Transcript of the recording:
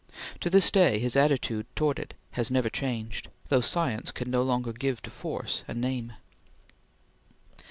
To this day, his attitude towards it has never changed, though science can no longer give to force a name.